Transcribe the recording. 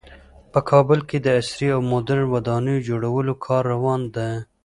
په کابل کې د عصري او مدرن ودانیو جوړولو کار روان ده